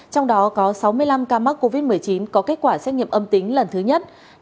trong đó có sáu mươi năm ca mắc covid một mươi chín có kết quả xét nghiệm âm tính lần thứ nhất